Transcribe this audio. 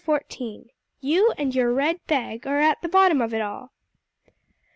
XIV "YOU AND YOUR RED BAG ARE AT THE BOTTOM OF IT ALL!"